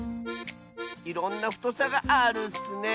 いろんなふとさがあるッスね。